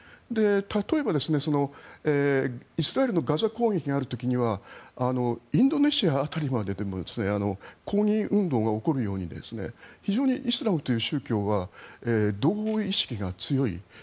例えば、イスラエルのガザ攻撃がある時にはインドネシア辺りまで抗議運動が起こるように非常にイスラムという宗教は同意意識が強い。